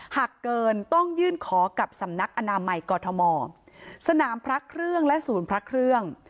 หากเกินต้องยื่นขอกับสำนักอนามัยกอทมสนามพระเครื่องและศูนย์พระเครื่อง